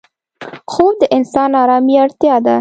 خوب د انسان آرامي اړتیا ده